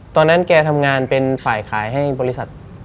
ตอนนั้นแกทำงานเป็นฝ่ายขายให้บริษัท